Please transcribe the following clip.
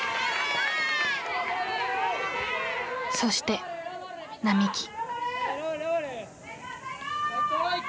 そして並木。